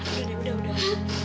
udah deh udah udah